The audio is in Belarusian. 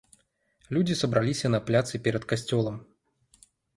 Людзі сабраліся на пляцы перад касцёлам.